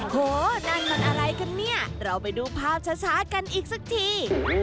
โหนั่นมันอะไรกันเนี่ยเราไปดูภาพช้ากันอีกสักที